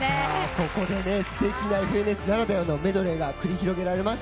ここですてきな「ＦＮＳ」ならではのメドレーが繰り広げられます。